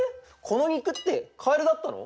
この肉ってかえるだったの！？